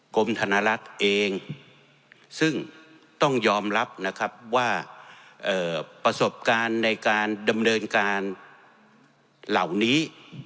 กรมธนลักษณ์เองซึ่งต้องยอมรับนะครับว่าประสบการณ์ในการดำเนินการเหล่านี้